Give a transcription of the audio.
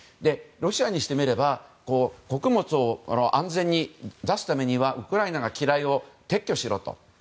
ロシアにしてみれば穀物を安全に出すためにはウクライナが機雷を撤去しろと。